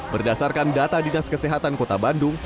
berdasarkan data dinas kesehatan kota bandung